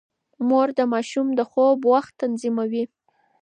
مور د ماشوم د خوب وخت تنظيموي.